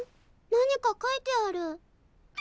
何か書いてある。